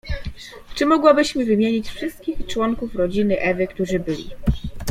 — Czy mogłabyś mi wymienić wszystkich członków ro dziny Ewy, którzy byli.